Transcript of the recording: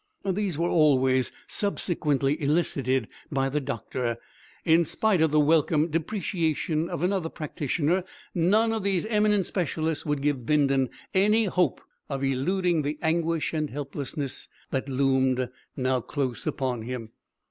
These were always subsequently elicited by the doctor. In spite of the welcome depreciation of another practitioner, none of these eminent specialists would give Bindon any hope of eluding the anguish and helplessness that loomed now close upon him.